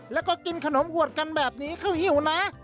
แล้วก็กินขนมหวดกันแบบนี้เขาหิวนะ